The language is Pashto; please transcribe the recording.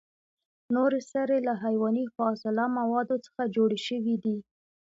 نورې سرې له حیواني فاضله موادو څخه جوړ شوي دي.